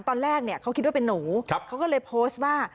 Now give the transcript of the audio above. ตอนแรกเนี่ยเขาคิดว่าเป็นหนูเขาก็เลยโพสต์ว่า